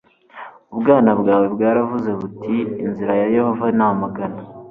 ubwana bwawe bwaravuze buti inzira za yehova ni amagana